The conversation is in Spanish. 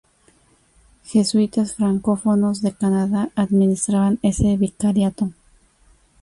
Jesuitas francófonos de Canadá administraban ese vicariato.